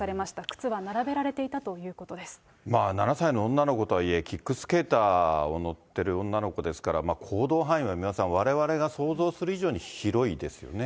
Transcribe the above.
靴は並べられていたということで７歳の女の子とはいえ、キックスケーターを乗ってる女の子ですから、行動範囲は皆さん、われわれが想像する以上に広いですよね。